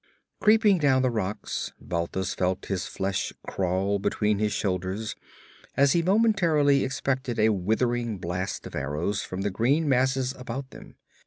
Creeping down the rocks Balthus felt his flesh crawl between his shoulders as he momentarily expected a withering blast of arrows from the green masses about them.